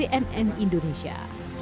tim liputan cnn indonesia